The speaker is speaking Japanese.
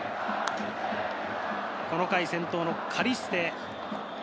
この回、先頭のカリステ。